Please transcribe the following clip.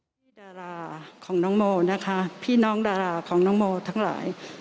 พี่ดาราของน้องโมนะคะพี่น้องดาราของน้องโมทั้งหลาย